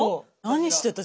何してた？